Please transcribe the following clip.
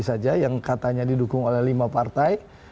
saja yang katanya didukung oleh lima partai